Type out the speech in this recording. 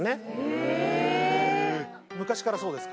へえ昔からそうですか？